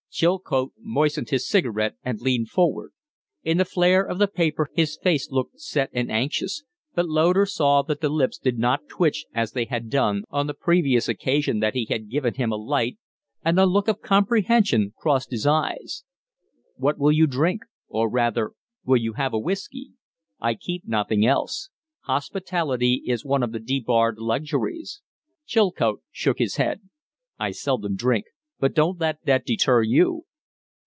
Chilcote moistened his cigarette and leaned forward. In the flare of the paper his face looked set and anxious, but Loder saw that the lips did not twitch as they had done on the previous occasion that he had given him a light, and a look of comprehension crossed his eyes. "What will you drink? Or, rather, will you have a whiskey? I keep nothing else. Hospitality is one of the debarred luxuries." Chilcote shook his head. "I seldom drink. But don't let that deter you."